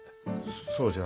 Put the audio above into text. そそうじゃ。